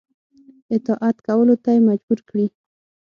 اطاعت کولو ته یې مجبور کړي.